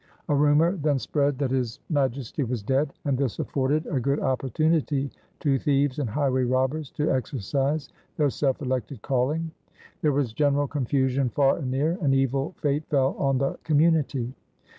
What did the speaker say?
A rumour then spread that His Majesty was dead, and this afforded a good opportunity to thieves and highway robbers to exercise their self^elected calling. There was general confusion far and near, and evil fate fell on the com munity.